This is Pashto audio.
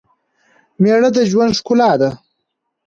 مېړه دژوند ښکلا ده